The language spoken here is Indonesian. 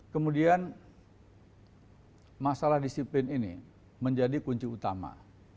kemudian masalah disiplin ini menjadi kunci utama